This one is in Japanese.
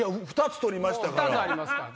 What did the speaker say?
２つ撮りましたから。